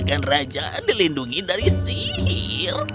dan raja dilindungi dari sihir